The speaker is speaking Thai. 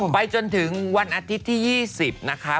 ไปจนถึงวันอาทิตย์ที่๒๐นะคะ